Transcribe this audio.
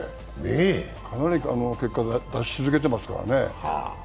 かなり結果を出し続けていますからね。